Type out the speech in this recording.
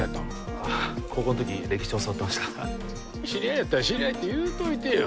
ああ高校ん時歴史教わってましたから知り合いやったら知り合いって言うといてよ